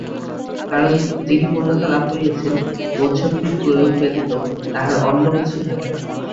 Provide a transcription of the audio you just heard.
কারণ যিনি পূর্ণতা লাভ করিয়াছেন, বোধশক্তির প্রয়োগ ব্যতীত তাঁহার অন্য কিছু থাকে না।